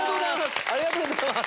ありがとうございます。